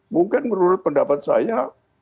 mungkin menurut pendapat saya